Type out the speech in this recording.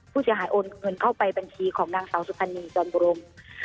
ผู้เสียหายโอนเงินเข้าไปบัญชีของนางเสาสุพันนียจรบรม